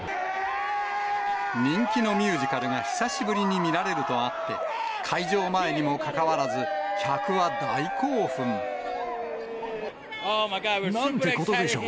人気のミュージカルが久しぶりに見られるとあって、開場前にもかかわらず、客は大興奮。なんてことでしょう。